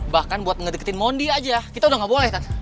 bahkan buat ngedekin mondi aja kita udah gak boleh kan